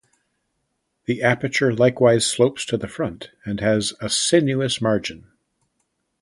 The aperture likewise slopes to the front and has a sinuous margin.